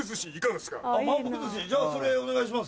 満腹寿司じゃあそれお願いします。